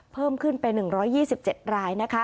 เพิ่มขึ้นไป๑๒๗รายนะคะ